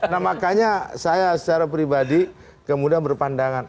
nah makanya saya secara pribadi kemudian berpandangan